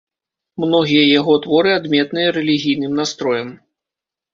Многія яго творы адметныя рэлігійным настроем.